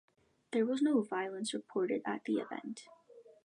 There was no violence reported at the event.